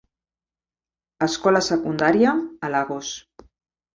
Escola secundària, a Lagos.